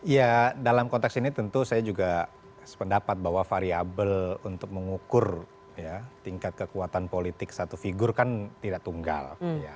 ya dalam konteks ini tentu saya juga sependapat bahwa variable untuk mengukur tingkat kekuatan politik satu figur kan tidak tunggal